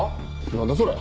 何だそれ。